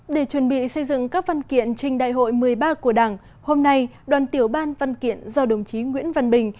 để chuẩn bị xây dựng các văn kiện trình đại hội một mươi ba của đảng hôm nay đoàn tiểu ban văn kiện do đồng chí nguyễn văn bình